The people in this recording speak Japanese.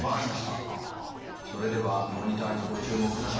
それではモニターにご注目ください。